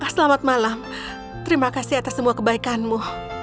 selamat malam terima kasih atas semua kebaikanmu